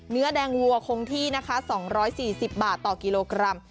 เนื้อแดงวัวคงที่นะคะ๒๔๐บาทต่อกิโลกรัม